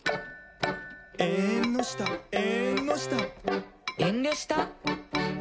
「えんのしたえんのした」「えんりょした？」